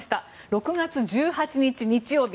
６月１８日日曜日